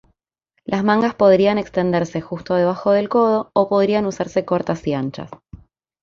Las mangas podrían extenderse justo debajo del codo o podrían usarse cortas y anchas.